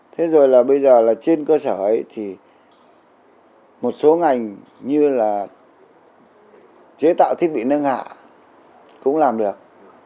thế rồi là bây giờ là trên cơ sở ấy thì một số ngành như là chế tạo thiết bị nâng hạ cũng làm được